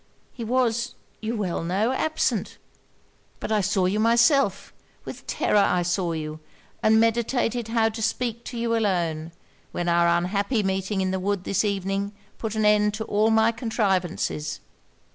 He was, you well know, absent. But I saw you myself; with terror I saw you, and meditated how to speak to you alone, when our unhappy meeting in the wood this evening put an end to all my contrivances.'